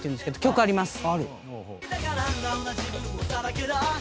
曲あります。